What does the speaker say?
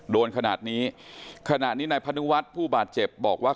โดนขนาดนี้ขณะนี้นายพนุวัฒน์ผู้บาดเจ็บบอกว่า